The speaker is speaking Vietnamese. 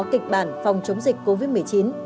kịch bản phòng chống dịch covid một mươi chín